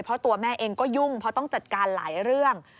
เพราะตัวแม่เองก็ยุ่งเพราะต้องจัดการหลายเรื่อง